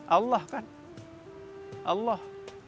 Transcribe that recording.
allah kan allah